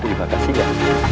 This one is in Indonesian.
terima kasih ya